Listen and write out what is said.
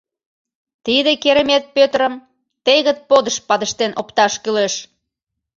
— Тиде керемет Пӧтырым тегыт подыш падыштен опташ кӱлеш!